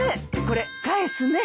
これ返すね。